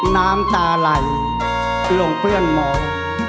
น้ำตาไหลลงเพื่อนมอง